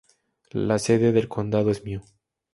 La sede del condado es Mio.